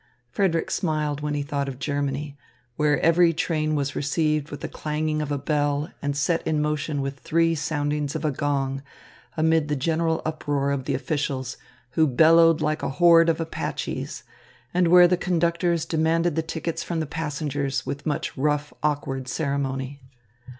Frederick smiled when he thought of Germany, where every train was received with the clanging of a bell and set in motion with three soundings of a gong, amid the general uproar of the officials, who bellowed like a horde of Apaches; and where the conductors demanded the tickets from the passengers with much rough, awkward ceremony.